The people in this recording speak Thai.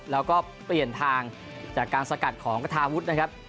แล้วก็เปลี่ยนทางจากการสกัดของกระทาวุฒินะครับ